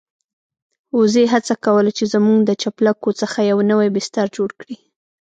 وزې هڅه کوله چې زموږ د چپلکو څخه يو نوی بستر جوړ کړي.